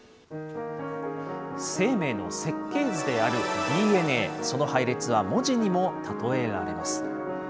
生命の設計図であるＤＮＡ、その配列は文字にも例えられます。